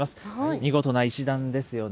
見事な石段ですよね。